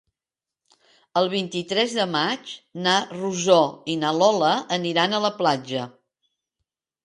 El vint-i-tres de maig na Rosó i na Lola aniran a la platja.